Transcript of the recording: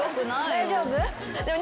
大丈夫？